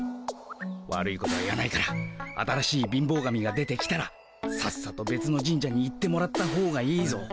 悪いことは言わないから新しい貧乏神が出てきたらさっさとべつの神社に行ってもらったほうがいいぞ。